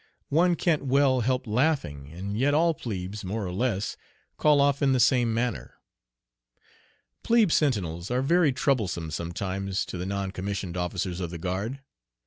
One can't well help laughing, and yet all plebes, more or less, call off in the same manner. Plebe sentinels are very troublesome sometimes to the non commissioned officers of the guard.